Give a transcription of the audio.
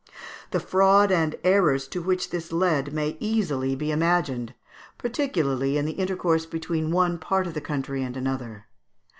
The fraud and errors to which this led may easily be imagined, particularly in the intercourse between one part of the country and another.